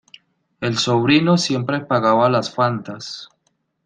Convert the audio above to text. El sobrino siempre pagaba las Fantas.